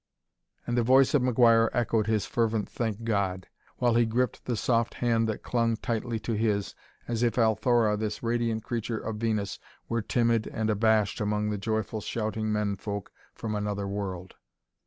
And the voice of McGuire echoed his fervent "Thank God!" while he gripped the soft hand that clung tightly to his, as if Althora, this radiant creature of Venus, were timid and abashed among the joyful, shouting men folk from another world.